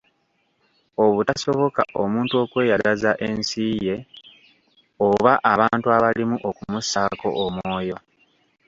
Obutasoboka omuntu okweyagaza ensi ye oba abantu abalimu okumussaako omwoyo.